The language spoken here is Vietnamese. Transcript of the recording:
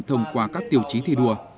thông qua các tiêu chí thi đua